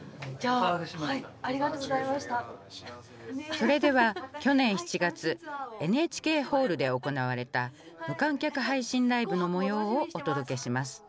それでは去年７月ＮＨＫホールで行われた無観客配信ライブの模様をお届けします。